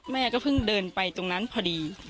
แม่ก็เพิ่งเดินไปตรงนั้นพอดี